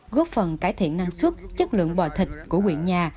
góp phần cải thiện năng suất chất lượng bò thịt của quyện nhà